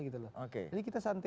jadi kita santai